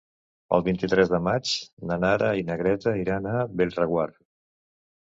El vint-i-tres de maig na Nara i na Greta iran a Bellreguard.